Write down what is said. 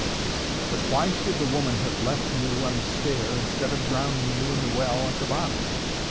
"But why should the woman have left you on the stair, instead of drowning you in the well at the bottom?"